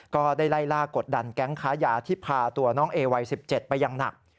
ก็ได้ไล่ล่ากดดันแก๊งค้ายาที่พาตัวน้องเอวัย๑๗ไปอย่างหนัก